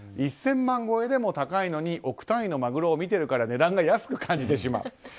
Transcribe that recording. １０００万超えでも高いのに億単位のマグロを見てるから値段が安く感じてしまう。